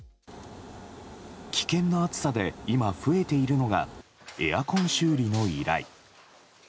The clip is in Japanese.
危険な暑さで今増えているのがエアコン修理の依頼。